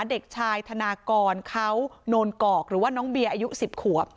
เด็กชายธนากรเขาโนนกอกหรือว่าน้องเบียร์อายุ๑๐ขวบ